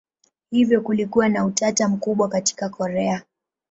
Hivyo kulikuwa na utata mkubwa katika Korea.